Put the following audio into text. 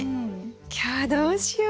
今日はどうしよう？